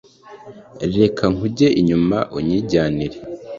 Reka nkujye inyuma unyijyanire,